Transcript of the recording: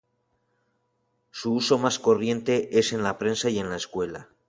Su uso más corriente es en la prensa y en la escuela.